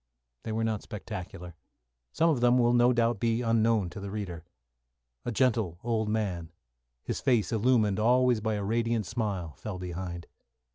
They were not spectacular. Some of them will no doubt be unknown to the reader. A gentle old man, his face illumined always by a radiant smile, fell behind.